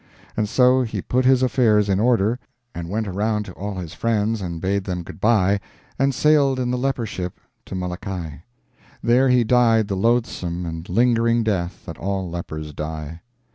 And so he put his affairs in order, and went around to all his friends and bade them good bye, and sailed in the leper ship to Molokai. There he died the loathsome and lingering death that all lepers die.